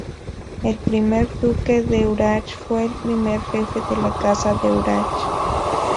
El primer duque de Urach fue el primer jefe de la Casa de Urach.